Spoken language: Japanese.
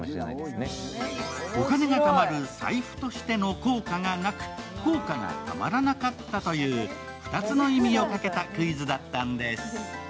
お金が貯まる財布としての効果がなく、硬貨がたまらなかったという２つの意味をかけたクイズだったんです。